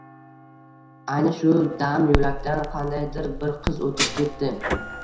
Ayni shu dam yo`lakdan qandaydir bir qiz o`tib ketdi